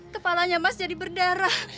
kepalanya mas jadi berdarah